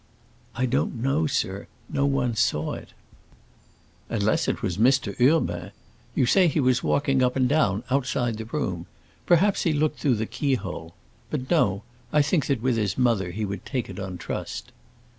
"I don't know, sir; no one saw it." "Unless it was Mr. Urbain. You say he was walking up and down, outside the room. Perhaps he looked through the keyhole. But no; I think that with his mother he would take it on trust."